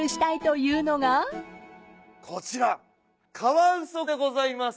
こちらカワウソでございます。